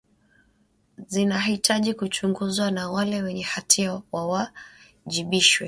zinahitaji kuchunguzwa na wale wenye hatia wawajibishwe